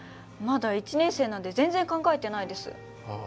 まだ１年生なんで全然考えてないです。